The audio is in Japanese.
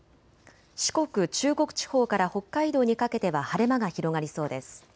四国、中国地方から北海道にかけては晴れ間が広がりそうです。